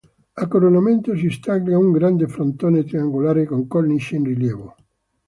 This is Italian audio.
A coronamento si staglia un grande frontone triangolare, con cornice in rilievo.